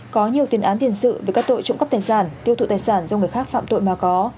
có nhiều tiền án tiền sự về các tội trộm cắp tài sản tiêu thụ tài sản do người khác phạm tội mà có